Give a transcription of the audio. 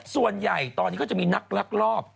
ส่วนใหญ่ตอนนี้ก็จะมีนักลักลอบ